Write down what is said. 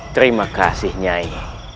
terima kasih nyai